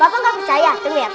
pakak gak percaya